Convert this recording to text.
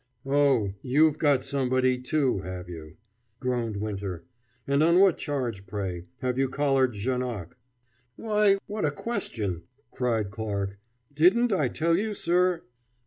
"Oh, you've got somebody, too, have you?" groaned Winter. "And on what charge, pray, have you collared Janoc?" "Why, what a question!" cried Clarke. "Didn't I tell you, sir